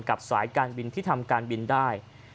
สายการบินที่ทำการบินได้